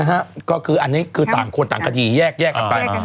ก็คืออันนี้คือต่างคนต่างคดีแยกกันไป